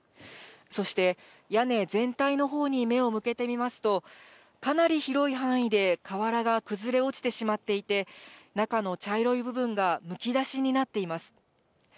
そして、屋根全体のほうに目を向けてみますと、かなり広い範囲で瓦が崩れ落ちてしまっていて、中の茶色い部分がむき出しになっています。